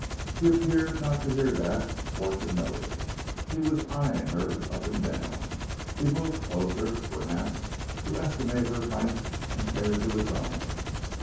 He appeared not to hear that or to note it; he was eying her up and down; and he moved closer, perhaps to estimate her height compared to his own.